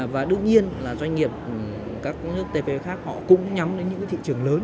và đương nhiên là doanh nghiệp các nước tp khác họ cũng nhắm đến những thị trường lớn